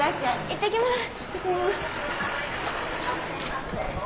行ってきます。